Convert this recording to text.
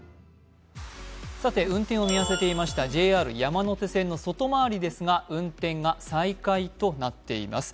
運転を見合せていましたＪＲ山手線の外回りですが、運転が再開となっています。